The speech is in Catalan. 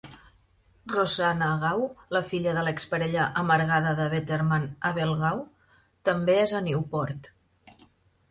Rosanna Gaw, la filla de l'exparella amargada de Betterman Abel Gaw, també és a Newport.